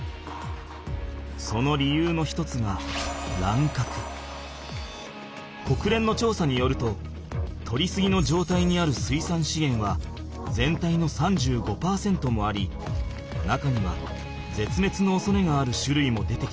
その理由の一つがこくれんのちょうさによるととりすぎの状態にある水産資源は全体の３５％もあり中にはぜつめつのおそれがあるしゅるいも出てきている。